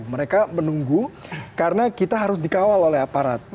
mereka menunggu karena kita harus dikawal oleh aparat